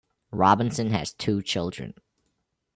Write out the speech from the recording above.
Robinson has two children.